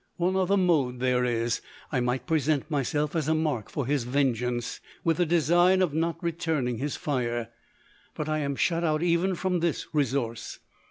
One other mode there is. I might present myself as a mark for his ven geance, with a design of not returning his fire, but I am shut out even from this resource.